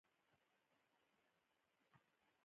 پیرودونکی د پیرود پر وخت پوښتنه وکړه.